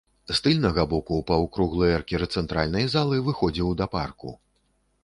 З тыльнага боку паўкруглы эркер цэнтральнай залы выходзіў да парку.